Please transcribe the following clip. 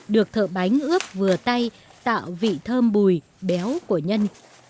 được thợ bánh ướp vừa tay tạo vị thơm bùi béo của nhân